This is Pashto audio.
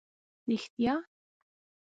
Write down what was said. رېښتیا؟!